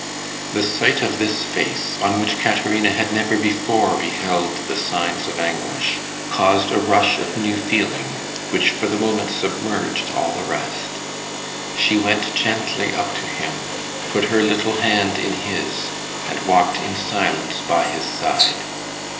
The sight of this face, on which Caterina had never before beheld the signs of anguish, caused a rush of new feeling which for the moment submerged all the rest. She went gently up to him, put her little hand in his, and walked in silence by his side.